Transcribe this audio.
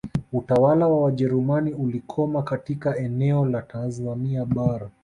Utawala wa Wajerumani ulikoma katika eneo la Tanzania Bara